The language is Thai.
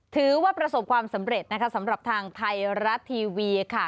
ถือว่าประสบความสำเร็จนะคะสำหรับทางไทยรัฐทีวีค่ะ